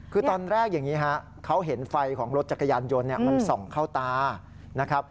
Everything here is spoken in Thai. คือตอนแรกอย่างนี้ฮะเขาเห็นไฟของรถจักรยานยนต์มันส่องเข้าตานะครับ